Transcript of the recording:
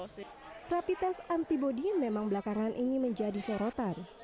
repites anti budi memang belakangan ini menjadi sorotan